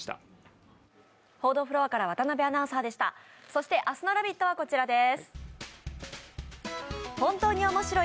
そして明日の「ラヴィット！」はこちらです。